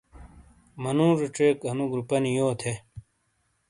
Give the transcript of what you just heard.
منُوڙے ڇیک اَنُو گُروپِنی یو تھے۔